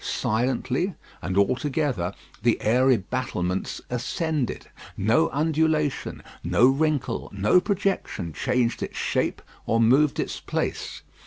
Silently, and altogether, the airy battlements ascended. No undulation, no wrinkle, no projection changed its shape or moved its place.